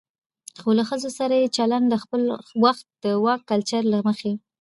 خو له ښځو سره يې چلن د خپل وخت د واکمن کلچر له مخې